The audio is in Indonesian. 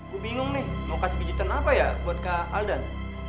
gue bingung nih mau kasih bijitan apa ya buat kak aldan